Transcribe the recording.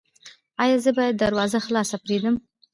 ایا زه باید دروازه خلاصه پریږدم؟